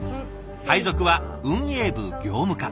配属は運営部業務課。